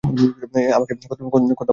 আমাকে কথা বলতে দাও ওকে, বাচ্চারা!